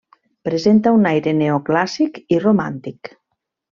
Presenta un aire neoclàssic i romàntic.